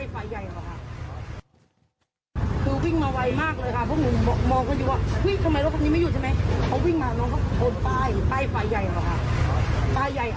พอหนีอะพระติกระลากค้ายลื่นแล้วก็ใกล้ไฟ